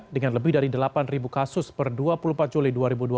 dengan lebih dari delapan kasus per dua puluh empat juli dua ribu dua puluh